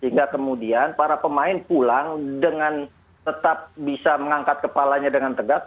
sehingga kemudian para pemain pulang dengan tetap bisa mengangkat kepalanya dengan tegak